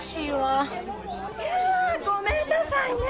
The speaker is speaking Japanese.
いやごめんなさいね。